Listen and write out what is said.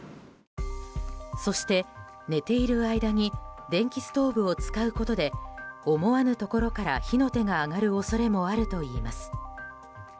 そして、寝ている間に電気ストーブを使うことで思わぬところから火の手が上がる恐れもあるといいます。